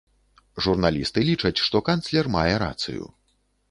Журналісты лічаць, што канцлер мае рацыю.